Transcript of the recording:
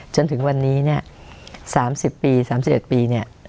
จนถึงวันนี้เนี้ยสามสิบปีสามสิบเอ็ดปีเนี้ย